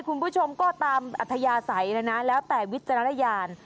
คุณผู้ชมก็ตามอัธยาศัยแล้วนะแล้วแต่วิจารณญาณ